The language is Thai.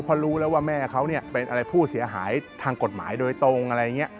เพราะรู้แล้วว่าแม่เขาเป็นอะไรผู้เสียหายทางกฎหมายโดยตรงอะไรอย่างนี้